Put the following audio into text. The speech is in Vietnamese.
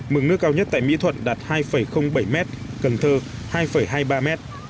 mực nước cao nhất tại mỹ thuận đạt hai bảy mét cần thơ hai hai mươi ba mét